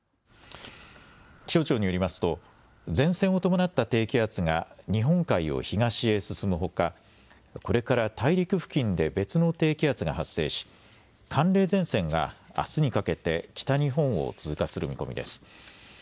気象庁によりますと前線を伴った低気圧が日本海を東へ進むほかこれから大陸付近で別の低気圧が発生し寒冷前線があすにかけて北日本を通過する見込みです。